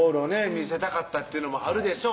見せたかったっていうのもあるでしょう